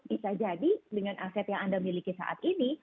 bisa jadi dengan aset yang anda miliki saat ini